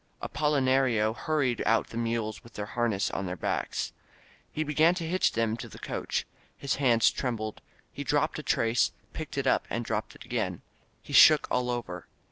••• Apolinario hurried out the mules with their harness on their backs, and began to hitch them to the coach. His hands trembled. He dropped a trace, picked it up, and dropped it again. He shook all over.